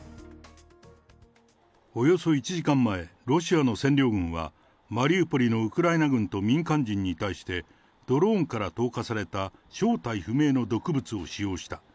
およそ１時間前、ロシアの占領軍は、マリウポリのウクライナ軍と民間人に対して、ドローンから投下された正体不明の毒物を使用した。